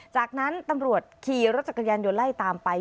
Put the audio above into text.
จากนั้นตำรวจขี่รถจักรยานยนต์ไล่ตามไป